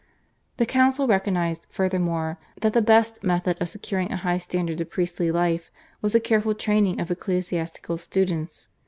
The council recognised, furthermore, that the best method of securing a high standard of priestly life was the careful training of ecclesiastical students.